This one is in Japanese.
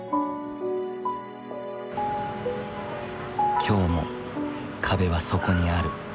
今日も壁はそこにある。